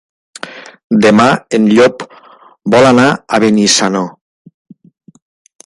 Demà en Llop vol anar a Benissanó.